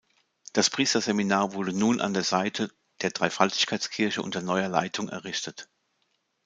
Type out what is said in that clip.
Das Priesterseminar wurde nun an der Seite der Dreifaltigkeitskirche unter neuer Leitung errichtet.